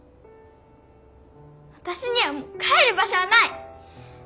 私にはもう帰る場所はない！